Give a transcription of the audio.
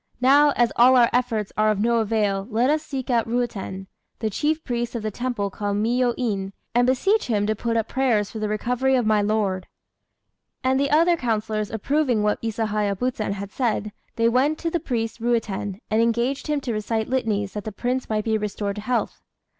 Now, as all our efforts are of no avail, let us seek out Ruiten, the chief priest of the temple called Miyô In, and beseech him to put up prayers for the recovery of my lord." [Illustration: THE CAT OF NABÉSHIMA.] And the other councillors approving what Isahaya Buzen had said, they went to the priest Ruiten and engaged him to recite litanies that the Prince might be restored to health.